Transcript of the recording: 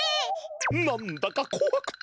なんだかこわくて。